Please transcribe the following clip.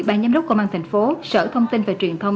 ban giám đốc công an thành phố sở thông tin và truyền thông